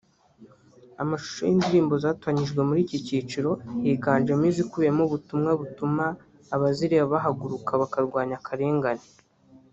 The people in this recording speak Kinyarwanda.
amashusho y’indirimbo zatoranyijwe muri iki cyiciro higanjemo izikubiyemo ubutumwa butuma abazireba bahaguruka bakarwanya akarengane